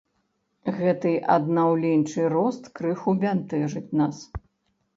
Гэты аднаўленчы рост крыху бянтэжыць нас.